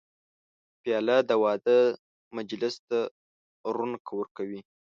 پیاله د واده مجلس ته رونق ورکوي.